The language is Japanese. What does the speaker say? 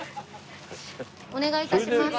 お願い致します。